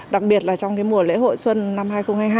đặc biệt là trong mùa lễ hội xuân năm hai nghìn hai mươi hai